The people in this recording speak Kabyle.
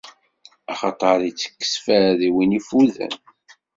Axaṭer ittekkes fad i win iffuden.